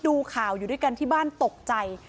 ดูข่าวอยู่ด้วยกันที่บ้านตกใจ